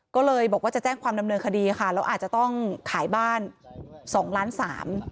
ก็เลยบอกว่าจะแจ้งความดำเนินคดีค่ะแล้วอาจจะต้องขายบ้านสองล้านสาม